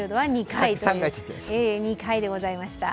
２回でございました。